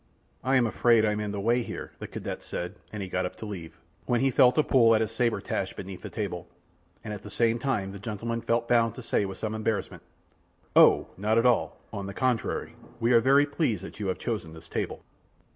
"I am afraid I am in the way here," the cadet said; and he got up to leave, when he felt a pull at his sabre tasch beneath the table, and at the same time the gentleman felt bound to say with some embarrassment: "Oh! not at all; on the contrary, we are very pleased that you have chosen this table."